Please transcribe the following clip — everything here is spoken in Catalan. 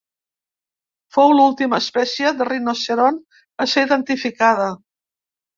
Fou l'última espècie de rinoceront a ser identificada.